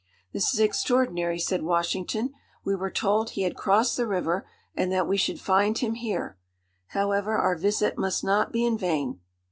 "This is extraordinary," said Washington; "we were told he had crossed the river, and that we should find him here. However, our visit must not be in vain.